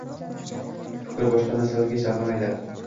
Fikri boshqa narsalarga chalgʻimaydi